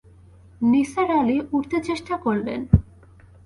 নিসার আলি উঠতে চেষ্টা করলেন।